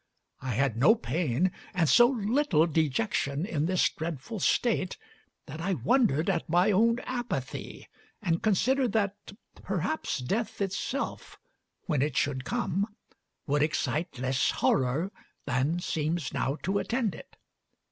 I had no pain, and so little dejection in this dreadful state that I wondered at my own apathy, and considered that perhaps death itself, when it should come, would excite less horror than seems now to attend it.